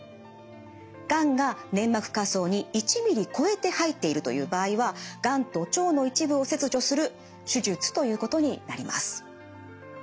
がんが粘膜下層に１ｍｍ超えて入っているという場合はがんと腸の一部を切除する手術ということになります。